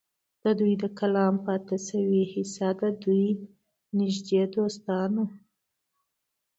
د دوي د کلام پاتې شوې حصه د دوي نزدې دوستانو